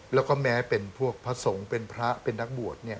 แล้วก็แม้เป็นพวกพระสงฆ์เป็นพระเป็นนักบวชเนี่ย